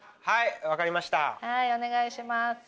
はいお願いします。